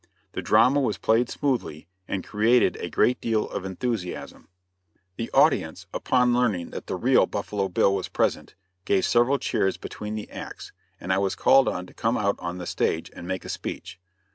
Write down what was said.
The drama was played smoothly, and created a great deal of enthusiasm. The audience, upon learning that the real "Buffalo Bill" was present, gave several cheers between the acts, and I was called on to come out on the stage and make a speech.